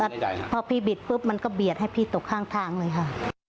พอพี่บิดปุ๊บมันก็เบียดให้พี่ตกข้างทางเลยค่ะ